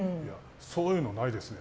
そういうのないですね。